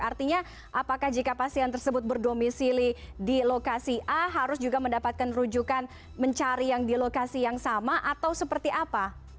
artinya apakah jika pasien tersebut berdomisili di lokasi a harus juga mendapatkan rujukan mencari yang di lokasi yang sama atau seperti apa